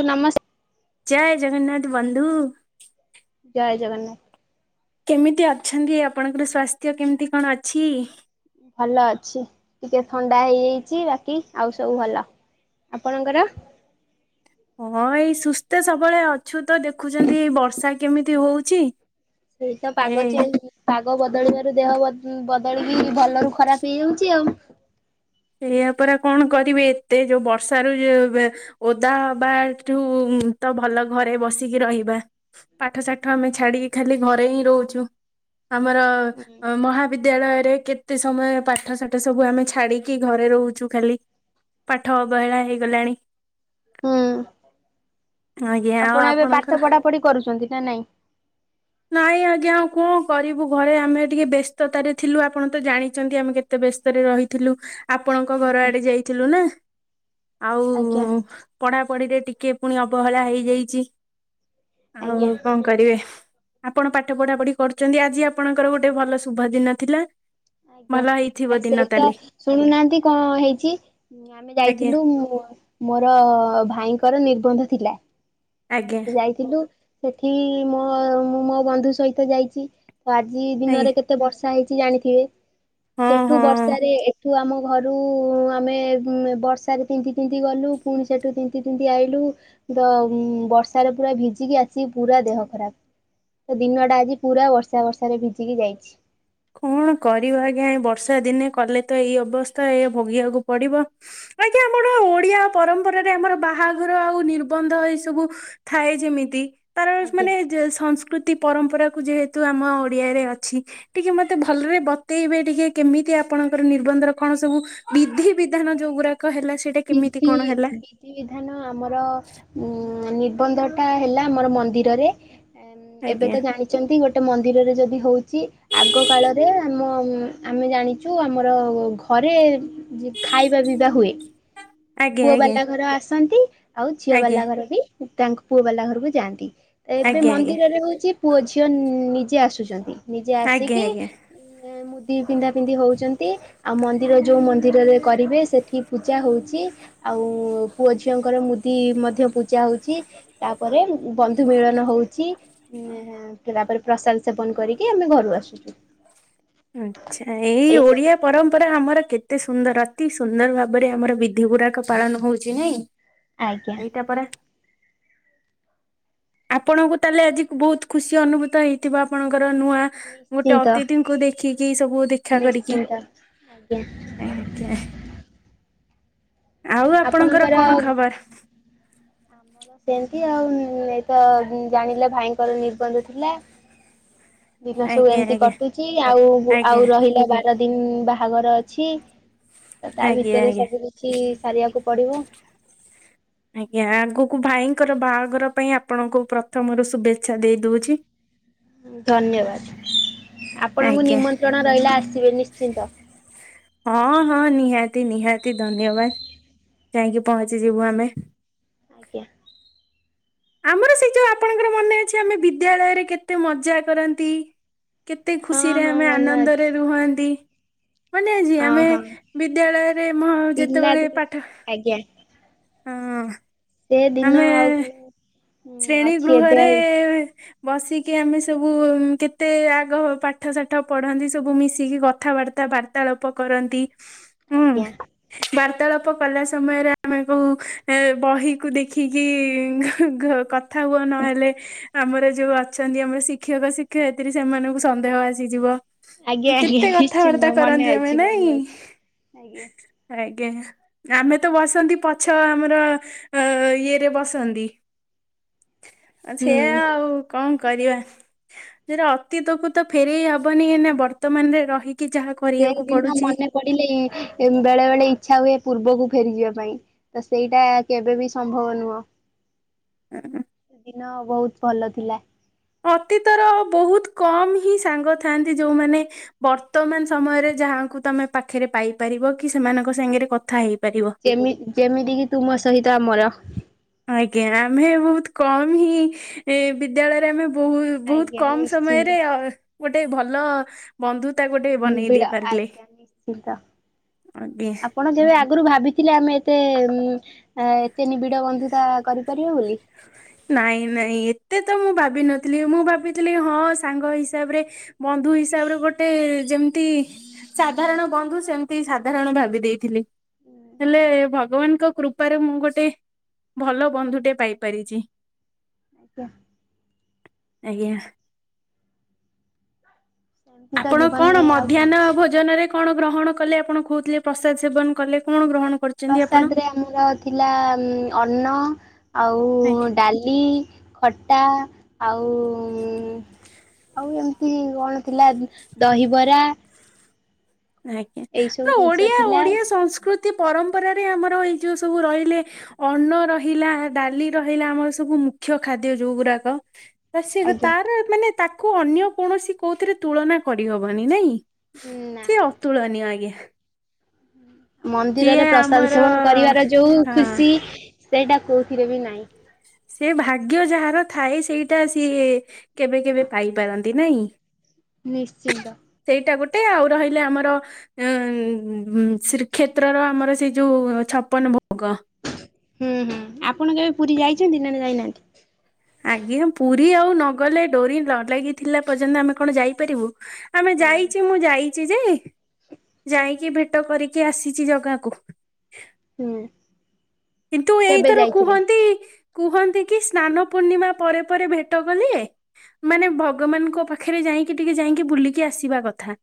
ଆଜ୍ଞା ନମସ୍କ। ଜୟ ଜଗନ୍ନାଥ ବନ୍ଧୁ। ଜୟ ଜଗନ୍ନାଥ। କେମିତି ଅଛନ୍ତି ଆପଣଙ୍କର ସ୍ଵାସ୍ଥ୍ୟ କେମିତି କଣ ଅଛି? ଭଲ ଅଛି ଟିକେ ଥଣ୍ଡା ହେଇଯାଇଚି ବାକି ଆଉ ସବୁ ଭଲ। ଆପଣଙ୍କର? ହଁ ଏଇ ସୁସ୍ଥ ସବୁବେଳେ ଅଛୁ ତ ଦେଖୁଛନ୍ତି ଏଇ ବର୍ଷା କେମିତି ହଉଛି। ସେଇ ତ ଏ ପାଗ ଚେଞ୍ଚ। ପାଗ ବଦଳିବାରୁ ଦେହ ବଦଳିକି ଭଲରୁ ଖରାପ ହେଇଯାଉଛି ଆଉ। ଏଇଆ ପରା କଣ କରିବେ ଏତେ ଯୋଉ ବର୍ଷାରୁ ଯୋଉ ଏବେ। ଓଦା ହବା ଠୁ ତ ଭଲ ଘରେ ବସିକି ରହିବା। ପାଠ ସାଠ ଆମେ ଛାଡିକି ଖାଲି ଘରେ ହିଁ ରହୁଛୁ ଆମର ମହା। ବିଦ୍ୟାଳୟରେ କେତେ ସମୟ ପାଠ ସାଠ ସବୁ ଆମେ ଛାଡିକି। କି ଘରେ ରହୁଛୁ ଖାଲି ପାଠ ଅବହେଳା ହେଇଗଲାଣି। ହୁଁ ଆଜ୍ଞା ଆଉ ଆପଣ ଏବେ ଆପଣଙ୍କର ପାଠ ପଢା ପଢି କରୁଛନ୍ତି ନା ନାଇଁ। ନାଇଁ ଆଜ୍ଞା ଆଉ କଣ କରିବୁ ଘରେ ଆମେ ଟିକେ ବ୍ୟସ୍ତତାରେ ଥିଲୁ ଆପଣ ତ ଜାଣିଛନ୍ତି ଆମେ କେତେ। ଏତେ ବ୍ୟସ୍ତରେ ରହିଥିଲୁ। ଆପଣଙ୍କ ଘର ଆଜ୍ଞା ଆଡେ ଯାଇଥିଲୁ ନା ଆଜ୍ଞା ଆଉ। ପଢା ପଢିରେ ଟିକେ ପୁଣି ଅବହେଳା ହେଇଯାଇଛି। ଆଉ ଆଜ୍ଞା କଣ କରିବେ। ଆପଣ ପାଠ ପଢା ପଢି କରୁଛନ୍ତି ଆଜି ଆପଣଙ୍କର ଗୋଟେ ଭଲ ଶୁଭା ଦିନ ଥିଲା। ଆଜ୍ଞା ଭଲ ଆ ହେଇଥିବ ଦିନ ସେଇ ତ ତାହାଲେ। ଶୁଣୁନାହାନ୍ତି କଣ ହେଇଛି ଆମେ ଆଜ୍ଞା ଯାଇଥିଲୁ ମୁଁ। ମୋର ଭାଇଙ୍କର ନିର୍ବନ୍ଧ ଥିଲା। ଆଜ୍ଞା ଯାଇଥିଲୁ ସେଠି ମୋ ମୁଁ ମୋ ବନ୍ଧୁ ସହିତ ଯାଇଛି। ତ ଆଜି ଆଜ୍ଞା ଦିନରେ କେତେ ବର୍ଷା ହେଇଛି ଜାଣିଥିବେ ହଁ ସେଠୁ ହଁ ବର୍ଷାରେ। ଏଇଠୁ ଆମ ଘରୁ ଆମେ ବର୍ଷାରେ ତିନ୍ତି ତିନ୍ତି ଗଲୁ ପୁଣି ସେଠୁ ତିନ୍ତି ତିନ୍ତି ଆଇଲୁ। ତ ବର୍ଷାରେ ପୁରା ଭିଜିକି ଆସିକି ପୁରା ଦେହ ଖରାପ। ତ ଦିନଟା ଆଜି ପୁରା ବର୍ଷା ବର୍ଷା ଭିଜିକି ଯାଇଛି। କଣ କରିବା ଆଜ୍ଞା ଏ ବର୍ଷା ଦିନେ କଲେ ତ ଏଇ ଅବସ୍ଥା ଏ ଭୋଗିବାକୁ ପଡିବ। ଆଜ୍ଞା ଆମର ଓଡିଆ ପରମ୍ପରାରେ ଆମର ବାହାଘର ଆଉ ନିର୍ବନ୍ଧ ଏଇ ସବୁ। ଥାଏ ଯେମିତି। ତାର ଆଜ୍ଞା। ମାନେ ସଂସ୍କୃତି ପରମ୍ପରା କୁ ଯେହେତୁ ଆମ ଓଡିଆରେ ଅଛି। ଟିକେ ମତେ ଭଲରେ ବତେଇବେ ଟିକେ କେମିତି ଆପଣଙ୍କର ନିର୍ବନ୍ଧ ରେ କଣ ସବୁ ବିଧି ବି। ବିଧାନ ଯୋଉ ଗୁଡାକ ହେଲା ସେଇଟା କେମିତି କଣ ହେଲା। ବିଧିବିଧାନ ଆମର ଉ ନିର୍ବନ୍ଧ ଟା ହେଲା ଆମର ମନ୍ଦିରରେ। ଏବେ ଆଜ୍ଞା ତ ଜାଣିଛନ୍ତି ଗୋଟେ ମନ୍ଦିରରେ ଯଦି ହଉଛି। ଆଗ କାଳରେ ଆମ ଆମେ ଜାଣିଛୁ ଆମର ଘରେ। ଖାଇବା ପିଇବା ହୁଏ ଆଜ୍ଞା ପୁଅ ଆଜ୍ଞା। ବାଲା ଘର ଆସନ୍ତି ଆଉ ଝିଅ ଆଜ୍ଞା ବାଲା ଘର ବି। ତାଙ୍କ ପୁଅ ବାଲା ଘରକୁ ଯାଆନ୍ତି ଏବେ ଆଜ୍ଞା ଆଜ୍ଞା ମନ୍ଦିରରେ ହଉଛି। ପୁଅ ଝିଅ ନିଜେ ଆସୁଛନ୍ତି ନିଜେ ଆଜ୍ଞା ଆସିକି। ଆଜ୍ଞା। ମୁଦି ପିନ୍ଧା ପିନ୍ଧି ହଉଛନ୍ତି ଆଉ ମନ୍ଦିର ଯୋଉ ମନ୍ଦିରରେ। କରିବେ ସେଠି ପୂଜା ହଉଛି। ଆଉ ପୁଅ ଝିଅଙ୍କର ମୁଦି ମଧ୍ୟ ପୂଜା ହଉଛି। ତାପରେ ବନ୍ଧୁ ମିଳନ ହଉଛି। ତା ପରେ ପ୍ରସାଦ ସେବନ କରିକି ଆମେ ଘରୁ ଆସୁଛୁ। ଆଚ୍ଛା ଏଇ ଏଇସବୁ ଓଡ଼ିଆ। ପରମ୍ପରା ଆମର କେତେ ସୁନ୍ଦର ଅତି ସୁନ୍ଦର ଭାବରେ ଆମର ବିଧି ଗୁଡାକ ପାଳନ ହଉଛି ନାଇଁ। ଆଜ୍ଞା ଏଇଟା ପରା। ଆପଣଙ୍କୁ ତାହେଲେ ଆଜିକୁ ବହୁତ ଖୁସି ଅନୁଭୂତ ହେଇ। ଥିବ ଆପଣଙ୍କର ନୂଆ ଗୋଟେ ନିଶ୍ଚିନ୍ତ ଅତିଥିଙ୍କୁ ଦେଖିକି ସବୁ। ଦେଖାକରିକି ନିଶ୍ଚିନ୍ତ ଆଜ୍ଞା। ଆଜ୍ଞା। ଆଉ ଆପଣଙ୍କର କଣ ଖବର। ହଁ ସେମିତି ଆଉ ଏଇ ତ ଆଜି ଜାଣିଲେ ଭାଇଙ୍କର ନିର୍ବନ୍ଧ ଥିଲା। ଦିନ ସବୁ ଆଜ୍ଞା ଏମିତି ଆଜ୍ଞା କଟୁଛି ଆଉ ଆଜ୍ଞା ଆଉ ରହିଲା ବା। ଦିନ ବାହାଘର ଅଛି ତ ତା ଆଜ୍ଞା ଭିତରେ ଆଜ୍ଞା। ସବୁ କିଛି ସାରିବାକୁ ପଡିବ। ଆଜ୍ଞା ଆଗକୁ ଭାଇଙ୍କର ବାହାଘର ପାଇଁ ଆପଣଙ୍କୁ ପ୍ରଥମରୁ ଶୁଭେଚ୍ଛା ଦେଇ ଦଉଛି। ଧନ୍ୟବାଦ, ଆପଣଙ୍କୁ ଆଜ୍ଞା ନିମନ୍ତ୍ରଣ ରହିଲା ଆସିବେ ନିଶ୍ଚିନ୍ତ। ହଁ ହଁ ନିହାତି ନିହାତି ଧନ୍ୟବାଦ ଯାଇଁକି ପହଞ୍ଚିଯିବୁ ଆମେ। ଆଜ୍ଞା। ଆମର ସେ ଯୋଉ ଆପଣଙ୍କର ମନେ ଅଛି, ଆମେ ବିଦ୍ୟାଳୟରେ କେତେ ମଜା କରନ୍ତି। କେତେ ହଁ ଖୁସିରେ ହଁ ଆମେ ମନେ ଅଛି ଆନନ୍ଦରେ ରୁହନ୍ତି। ମାନେ ଆଜି ହଁ ଆମେ ହଁ ବିଦ୍ୟାଳୟରେ ମୁଁ ଯେତେବେଳେ ପିଲାଦିନ ପାଠ ଆଜ୍ଞା। ହଁ। ସେ ଦିନ ଆମେ ଆଉ କାଇଁ ଶ୍ରେଣୀ ଗୃହରେ ବସିକି ଆମେ ସବୁ କେତେ ଆଗ ପାଠ ସାଠ ପଢ଼ନ୍ତି, ସବୁ ମିଶିକି କଥାବାର୍ତ୍ତା ବାର୍ତ୍ତା ପା ତାଳପ କରନ୍ତି। ଆଜ୍ଞା। ବାର୍ତାଳାପ କଲା ସମୟରେ ଆମେ କଉ ଏ ବହିକୁ ଦେଖିକି [unintelligible] ଘ କଥା ହୁଅ ନହେଲେ ଆମର ଯୋଉ ଅଛନ୍ତି ଆମର ଶିକ୍ଷକ ଶିକ୍ଷୟିତ୍ରୀ ସେମାନଙ୍କୁ ସନ୍ଦେହ ଆସିଯିବ। ଆଜ୍ଞା ଆଜ୍ଞା କେତେ ନିଶ୍ଚିନ୍ତ କଥାବାର୍ତ୍ତା ମନେ କରନ୍ତି ଆମେ ଅଛି ମନେ ନାଇଁ? ଅଛି। ଆଜ୍ଞା। ଆଜ୍ଞା ଆମେ ତ ବସନ୍ତି ପଛ ଆମର ଅ ଇଏରେ ବସନ୍ତି। ଆ ସେୟା ହୁଁ ଆଉ କଣ କରିବା? ଯେରା ଅତୀତକୁ ତ ଫେରେଇ ହବନି ଇନା ବର୍ତ୍ତମାନ ରେ ରହିକି ଯାହାକୁ ସେଦିନ ମନେ ପଡିଲେ ଏ ବେଳେ ବେଳେ ଇଚ୍ଛା ହୁଏ ପୂର୍ବକୁ ଫେରିଯିବା ପାଇଁ। ତ ସେଇଟା କେବେ ବି ସମ୍ଭବ ନୁହଁ। [unintelligible] ଦିନ ବହୁତ୍ ଭଲ ଥିଲା। ଅତୀତର ବହୁତ୍ କମ୍ ହିଁ ସାଙ୍ଗ ଥାଆନ୍ତି, ଯୋଉମାନେ ବର୍ତ୍ତମାନ ସମୟରେ ଯାହାଙ୍କୁ ତମେ ପାଖେରେ ପାଇପାରିବ କି ସେମାନଙ୍କ ସାଙ୍ଗରେ କଥା ହେଇପାରିବ। ଏମି ଯେମିତିକିି ତୁମ ସହିତ ଆମର ଆଜ୍ଞା ଆମେ ବହୁତ୍ କମ୍ ହିଁ ଏ ବିଦ୍ୟାଳୟରେ ଆମେ ବହୁ ବହୁତ୍ ଆଜ୍ଞା କମ୍ ନିଶ୍ଚିନ୍ତ ସମୟରେ ଗୋଟେ ଭଲ ବନ୍ଧୁତା ଗୋଟେ ବନେଇ ଦେଇ ନିବିଡ଼ ପାରିଲେ। ଆଜ୍ଞା ନିଶ୍ଚିନ୍ତ। ଆଜ୍ଞା। ଆପଣ ଯେବେ ଆଗୁରୁ ଭାବିଥିଲେ ଆମେ ଏତେ ଉଁ ଆ ଏତେ ନିବିଡ଼ ବନ୍ଧୁତା କରିପାରିବା ବୋଲି? ନାଇଁ ନାଇଁ ଏତେ ତ ମୁଁ ଭାବିନଥିଲି ମୁଁ ଭାବିଥିଲି ହଁ ସାଙ୍ଗ ହିସାବରେ ବନ୍ଧୁ ହିସାବରେ ଗୋଟେ ଯେମ୍ତି ସାଧାରଣ ବନ୍ଧୁ ସେମ୍ତି ସାଧାରଣ ଭାବି ଦେଇଥିଲି। ହେଲେ ଭଗବାନଙ୍କ କୃପାରୁ ମୁଁ ଗୋଟେ ଭଲ ବନ୍ଧୁଟେ ପାଇପାରିଚି। [unintelligible] ଆଜ୍ଞା। ସେମିତି ତ ଆପଣ କଣ ଜୀବନରେ ଆଉ କଣ ମଧ୍ୟାହ୍ନ ଅଛି। ଭୋଜନରେ କଣ ଗ୍ରହଣ କଲେ ଆପଣ କହୁଥିଲେ ପ୍ରସାଦ ସେବନ କଲେ କଣ ଗ୍ରହଣ କରୁ ପ୍ରସାଦରେ ଆମର ଥିଲା ଉଁ ଅନ୍ନ ଆଉ ଆଜ୍ଞା ଡାଲି ଖଟା ଆଉ ଆଉ ଏମ୍ତି କଣ ଥିଲା ଦହିବରା ଆଜ୍ଞା ଏଇ ସବୁ ର ଜିନିଷ ଓଡ଼ିଆ ଥିଲା ଓଡ଼ିଆ ସଂସ୍କୃତି ପରମ୍ପରାରେ ଆମର ଏଇ ଯୋ ସବୁ ରହିଲେ ଅନ୍ନ ରହିଲା ଡାଲି ରହିଲା ଆମର ସବୁ ମୁଖ୍ୟ ଖାଦ୍ୟ ଯୋଉ ଗୁଡାକ। [unintelligible] ସେ ଯା ଆଜ୍ଞା ତାର ମାନେ ତାକୁ ଅନ୍ୟ କୌଣସି କୋଉଥିରେ ତୁଳନା କରିହବନି ନାଇଁ? ନା ସେ ଅତୁଳନୀୟ ଆଜ୍ଞା। ସିଏ ମନ୍ଦିରରେ ପ୍ରସାଦ ଆମର ସେବନ କରିବାର ଯୋଉ ହଁ ଖୁସି ସେଇଟା କୋଉଥିରେ ବି ନାହିଁ। ସେ ଭାଗ୍ୟ ଯାହାର ଥାଏ ସେଇଟା ସିଏ କେବେ କେବେ ପାଇପାରନ୍ତି ନାଇଁ? ନିଶ୍ଚିନ୍ତ। ସେଇଟା ଗୋଟେ ଆଉ ରହିଲେ ଆମର ଉ ଶ୍ରୀକ୍ଷେତ୍ରର ଆମର ସେଇ ଯୋଉ ଛପନ ଭୋଗ। ହୁଁ ହୁଁ ଆପଣ କେବେ ପୁରୀ ଯାଇଛନ୍ତି ନା ଯାଇନାହାନ୍ତି? ଆଜ୍ଞା ପୁରୀ ଆଉ ନଗଲେ ଡୋରି ନ ଲାଗିଥିଲା ପର୍ଯ୍ୟନ୍ତ ଆମେ କଣ ଯାଇପାରିବୁ। ଆମେ ହୁଁ ଯାଇଛୁ ମୁଁ ଯାଇଛି ଯେ ଯାଇକି ଭେଟ କରିକି ଆସିଛି ଜାଗାକୁ। ହୁଁ। କିନ୍ତୁ କେବେ ଏଇଥର ଯାଇଥିଲେ? କୁହନ୍ତି। କୁହନ୍ତି କି ସ୍ନାନ ପୂର୍ଣ୍ଣିମା ପରେ ପରେ ଭେଟ କଲେ ମାନେ ଭଗବାନଙ୍କ ପାଖରେ ଯାଇକି ଟିକେ ଯାଇକି ବୁଲିକି ଆସିବା କଥା।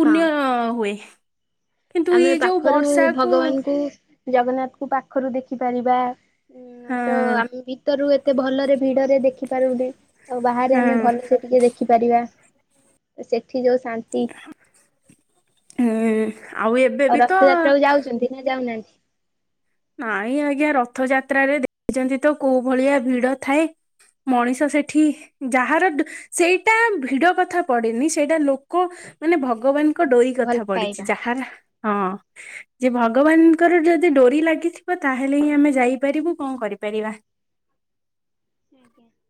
ପୁଣ୍ୟ ହଁ। ହୁଏ କିନ୍ତୁ ଏ ଯୋଉ ବର୍ଷାକୁ ଜଗନ୍ନାଥକୁ ପାଖରୁ ଦେଖିପାରିବା। ହୁଁ ହଁ ତ ଆମେ ଭିତରୁ ଏତେ ଭଲରେ ଭିଡରେ ଦେଖି ପାରୁନି। ଆଉ ବାହାରେ ହଁ ଆମେ ଭଲ ସେେ ଟିକେ ଦେଖିପାରିବା ସେଠି ଯୋଉ ଶାନ୍ତି। ହୁଁ ଆଉ ଏବେ ବି ତ ନାଁ ଯାଉନାହାନ୍ତି। ନାଇଁ ଆଜ୍ଞା ରଥଯାତ୍ରା ରେ ଦେଖିଛନ୍ତି ତ କୋଉ ଭଳିଆ ଭିଡ ଥାଏ। ମଣିଷ ସେଠି ଯାହାର ସେଇଟା ଭିଡ କଥା ପଡିନି ସେଇଟା ଲୋକ ମାନେ ଭଗବାନ କ ଡୋରି ଭଲ କଥା ପଡିିଛି ପାଇବା। ଯାହାର ହଁ ଯେ ଭଗବାନଙ୍କର ଯଦି ଡୋରି ଲାଗ କି ଥିବ ତାହେଲେ ହିଁ ଆମେ ଯାଇପାରିବୁ କଣ କରିପାରିବା। [inaudible]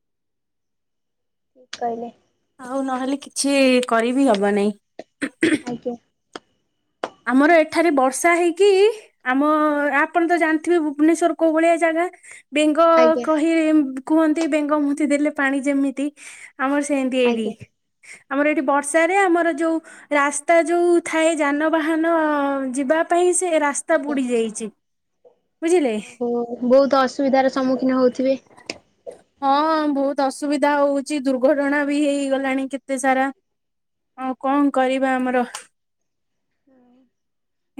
ଠିକ୍ କହିଲେ। ଆଉ ନହେଲେ କିଛି କରିବି ହବ ନେଇଁ। [unintelligible] ଆଜ୍ଞା। ଆମର ଏଠାରେ ବର୍ଷା ହେଇକି ଆମ ଆପଣ ତ ଜାଣିଥିବେ ଭୁବନେଶ୍ୱର କୋଉ ଭଳିଆ ଜାଗା। ବେଙ୍ଗ ଆଜ୍ଞା କହି କୁହନ୍ତି ବେଙ୍ଗ ମୂତି ଦେଲେ ପାଣି ଯେମିତି। ଆମର ସେମିତି ଏଇଠି। ଆଜ୍ଞା ଆମର ଏଠି ବର୍ଷାରେ ଆମର ଯୋଉ ରାସ୍ତା ଯୋଉ ଥାଏ ଯାନ ବାହାନ ଯିବା ପାଇଁ ସେ ରାସ୍ତା ବୁଡି ଯାଇଛି। ବୁଝିଲେ ଓଉ ବହୁତ ଅସୁବିଧା ର ସମ୍ମୁଖୀନ ହଉଥିବେ। ହଁ ବହୁତ ଅସୁବିଧା ହଉଛି ଦୁର୍ଘଟଣା ବି ହେଇଗଲାଣି କେତେ ସାରା। ହଁ କଣ କରିବା ଆମର।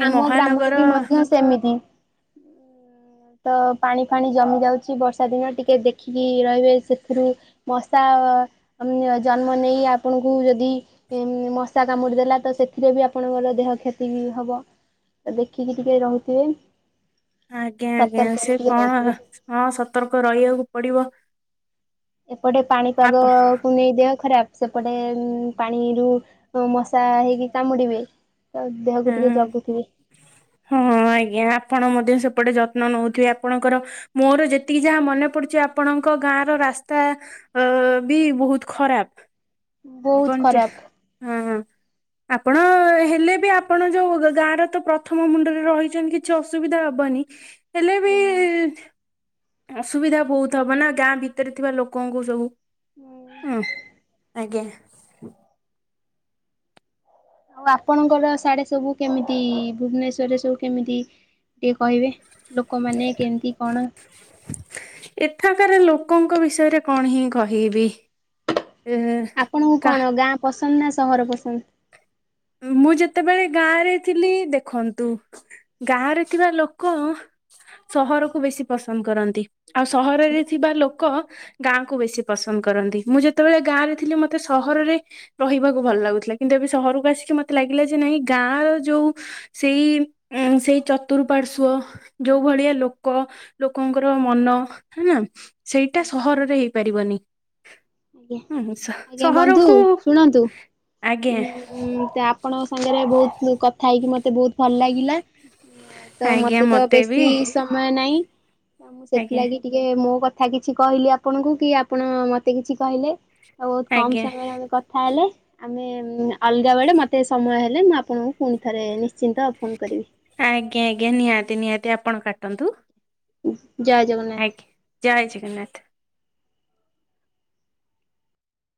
ଏ ଆମ ମହାନଗର ଗ୍ରାମରେ ବି ମଧ୍ୟ ସେମିତି। ତ ପାଣି ଫାଣି ଜମି ଯାଉଛି ବର୍ଷା ଦିନ ଟିକେ ଦେଖିକି ରହିବେ ସେଥିରୁ। ମଶା ଜନ୍ମ ନେଇ ଆପଣଙ୍କୁ ଯଦି ମଶା କାମୁଡିଦେଲା ତ ସେଥିରେ ବି ଆପଣଙ୍କର ଦେହ କ୍ଷତି ବି ହବ। ଦେଖିକି ଟିକେ ରହୁଥିବେ। ଆଜ୍ଞା ଆଜ୍ଞା ସତର୍କରେ ସେ ଟିକେ କଣ ରହୁଥିବେ। ହଁ ସତର୍କ ରହିବାକୁ ପଡିବ। ଏପଟେ ପାଣିପାଗ କୁ ନେଇ ଦେହ ଖରାପ। ସେପଟେ ପାଣିରୁ ମଶା ହେଇକି କାମୁଡ଼ିବେ। ଆଉ ଦେହକୁ ଟିକେ ଆପଣ ଜଗୁଥିବେ। ହଁ ଆଜ୍ଞା ଆପଣ ମଧ୍ୟ ସେପଟେ ଯତ୍ନ ନଉଥିବେ ଆପଣଙ୍କର। ମୋର ଯେତିକି ଯାହା ମନେ ପଡୁଛି ଆପଣଙ୍କ ଗାଁ ର ରାସ୍ତା ଅ ବି ବହୁତ ଖରାପ। ବହୁତ ଆପଣ ଚେ ଖରାପ। ହଁ ଆପଣ ହେଲେ ବି ଆପଣ ଯୋଉ ଗାଁ ର ତ ପ୍ରଥମ ମୁଣ୍ଡରେ ରହିଛନ୍ତି କିଛି ଅସୁବିଧା ହବନି। ହେଲେ ବି ଅସୁବିଧା ବହୁତ ହବ ନା ଗାଁ ଭିତରେ ଥିବା ଲୋକଙ୍କୁ ସବୁ। ଉଁ ଆଜ୍ଞା। ଆଉ ଆପଣଙ୍କର ସାଡ଼େ ସବୁ କେମିତି ଭୁବନେଶ୍ୱରେ ସବୁ କେମିତି? ଟିକେ କହିବେ ଲୋକମାନେ କେମିତି କଣ? ଏଠାକାର ଲୋକଙ୍କ ବିଷୟରେ କଣ ହିଁ କହିବି। ଏ ଆପଣଙ୍କୁ କା କଣ ଗାଁ ପସନ୍ଦ ନା ସହର ପସନ୍ଦ? ମୁଁ ଯେତେବେଳେ ଗାଁରେ ଥିଲି ଦେଖନ୍ତୁ ଗାଁରେ ଥିବା ଲୋକ ସହରକୁୁ ବେଶୀ ପସନ୍ଦ କରନ୍ତି। ଆଉ ସହରରେ ଥିବା ଲୋକ ଗାଁକୁ ବେଶୀ ପସନ୍ଦ କରନ୍ତି ମୁଁ ଯେତେବେଳେ ଗାଁରେ ଥିଲି ମତେ ସହରରେ ରହିବାକୁ ଭଲ ଲାଗୁଥିଲା କିନ୍ତୁ ଏବେ ସହରକୁ ଆସିକି ମତେ ଲାଗିଲା ଯେ ନାଇଁ ଗାଁର ଯୋଉ ସେଇ ଅଁ ସେଇ ଚତୁର୍ପାଶ୍ୱ। ଯୋଉ ଭଳିଆ ଲୋକ ଲୋକଙ୍କର ମନ ହେନା ସେଇଟା ଆଜ୍ଞା ସହରରେ ହେଇପାରିବନି। ହୁଁ ଆଜ୍ଞା ଆଜ୍ଞା ବନ୍ଧୁ ସହରକୁ ଶୁଣନ୍ତୁ ଆଜ୍ଞା ଉଁ ଟା ଆପଣଙ୍କ ସାଙ୍ଗରେ ବହୁତ କଥା ହେଇକି ମତେ ବହୁତ ଭଲ ଲାଗିଲା। ତ ଆଜ୍ଞା ମତେ ତ ବେଶୀ ବି ସମୟ ନାଇଁ ତ ମୁଁ ଆଜ୍ଞା ସେଥିଲାଗି ଟିକେ ମୋ କଥା କିଛି କହିଲି ଆପଣଙ୍କୁ କି ଆପଣ ମତେ କିଛି କହିଲେ। ଆଉ ବହୁତ କମ ଆଜ୍ଞା ସମୟରେ ଆମେ କଥା ହେଲେ। ଆମେ ଉମ ଅଲଗା ବେଳେ ମୋତେ ସମୟ ହେଲେ ମୁଁ ଆପଣଙ୍କୁ ପୁଣି ଥରେ ନିଶ୍ଚିନ୍ତ ଫୋନ୍ କରିବି। ଆଜ୍ଞା ଆଜ୍ଞା ନିହାତି ନିହାତି ଆପଣ କାଟନ୍ତୁ। ଜୟ ଜଗନ୍ନାଥ। ଆଜ୍ଞା ଜୟ ଜଗନ୍ନାଥ।